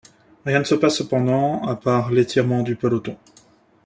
Rien ne se passe cependant, à part l'étirement du peloton.